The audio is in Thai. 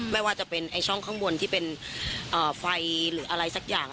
ไม่ว่าจะเป็นช่องข้างบนที่เป็นไฟหรืออะไรสักอย่าง